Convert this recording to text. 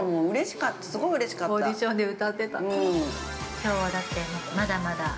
◆きょうは、だって、まだまだ。